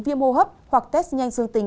viêm hô hấp hoặc test nhanh dương tính